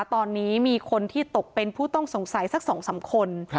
ตอนนี้มีคนที่ตกเป็นผู้ต้องสงสัยสัก๒๓คน